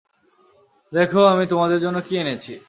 দেখ আমি তোমাদের জন্য কি এনেছি!